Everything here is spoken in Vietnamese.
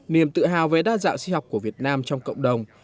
niềm tự hào về đa dạng sinh học của việt nam trong cộng đồng